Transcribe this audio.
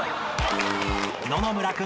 ［野々村君。